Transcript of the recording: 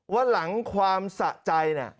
ว่าหลังความสะใจ